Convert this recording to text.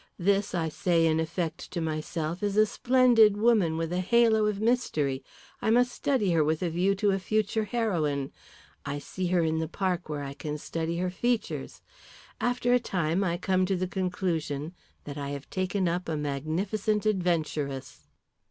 This, I say in effect to myself, is a splendid woman in a halo of mystery. I must study her with a view to a future heroine. I see her in the park where I can study her features. After a time I come to the conclusion that I have taken up a magnificent adventuress."